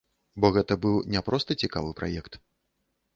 Бо гэта быў не проста цікавы праект.